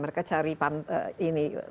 mereka cari ombak ya